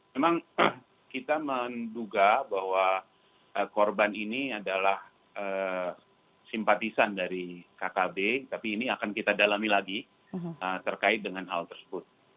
memang kita menduga bahwa korban ini adalah simpatisan dari kkb tapi ini akan kita dalami lagi terkait dengan hal tersebut